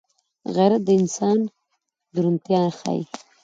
غیرت د انسان درونتيا ښيي